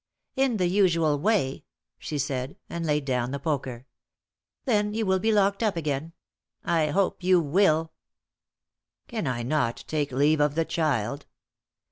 "In the usual way," she said, and laid down the poker. "Then you will be locked up again. I hope you will." "Can I not take leave of the child?"